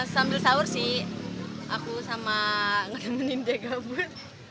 sambil sahur sih aku sama nge temenin dia gabut